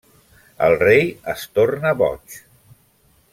El rei es torna boig.